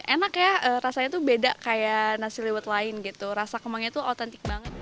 enak ya rasanya tuh beda kayak nasi liwet lain gitu rasa kemangnya tuh autentik banget